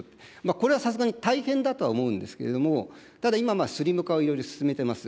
これはさすがに大変だとは思うんですけれども、ただ、今、スリム化をいろいろ進めています。